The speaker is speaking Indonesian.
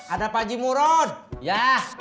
ada pak aji muron ya